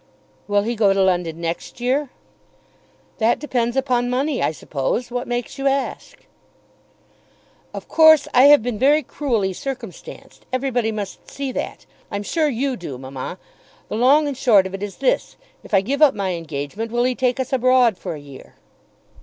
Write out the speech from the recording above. "Will he go to London next year?" "That will depend upon money, I suppose. What makes you ask?" "Of course I have been very cruelly circumstanced. Everybody must see that. I'm sure you do, mamma. The long and the short of it is this; if I give up my engagement, will he take us abroad for a year?"